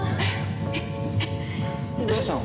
どうしたの？